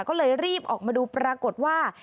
ก็เลยรีบออกมาดูปรากฏว่า